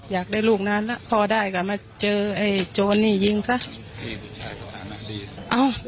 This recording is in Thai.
อยากได้ลูกนานแล้วพอได้ก็มาเจอไอ้โจรนี่ยิงซะ